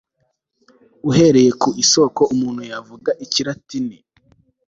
Uhereye ku isoko umuntu yavuga Ikilatini